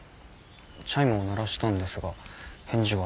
チャイムを鳴らしたんですが返事はなかった。